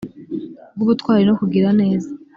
rw ubutwari no kugira neza